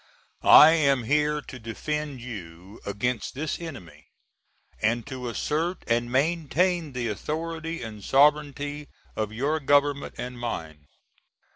I am here to defend you against this enemy and to assert and maintain the authority and sovereignty of your Government and mine.